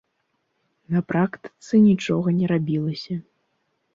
На практыцы нічога не рабілася.